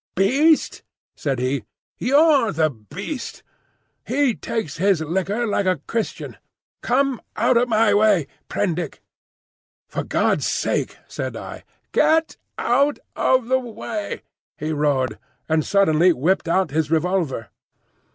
"Beast!" said he. "You're the beast. He takes his liquor like a Christian. Come out of the way, Prendick!" "For God's sake," said I. "Get—out of the way!" he roared, and suddenly whipped out his revolver.